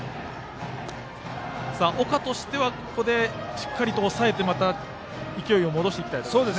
岡としてはここでしっかりと抑えまた勢いを戻していきたいところですね。